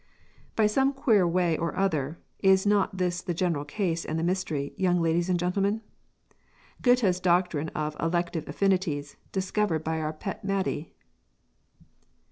"By some queer way or other": is not this the general case and the mystery, young ladies and gentlemen? Goethe's doctrine of "elective affinities" discovered by our Pet Maidie!